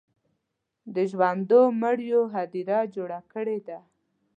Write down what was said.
د ژوندو مړیو هدیره جوړه کړې ده.